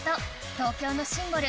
東京のシンボル